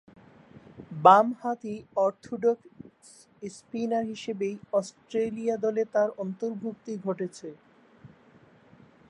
বামহাতি orthodox spinner হিসেবেই Australia দলে তার অন্তর্ভুক্তি ঘটেছে।